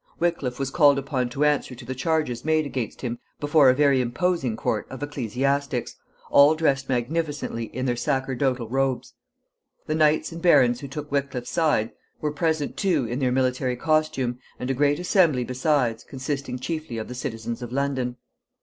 Wickliffe was called upon to answer to the charges made against him before a very imposing court of ecclesiastics, all dressed magnificently in their sacerdotal robes. The knights and barons who took Wickliffe's side were present too in their military costume, and a great assembly besides, consisting chiefly of the citizens of London.